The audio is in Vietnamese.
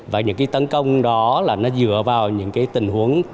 và những cái tấn công đó là nó dựa vào những cái tình huống